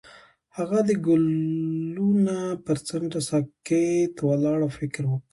هغه د ګلونه پر څنډه ساکت ولاړ او فکر وکړ.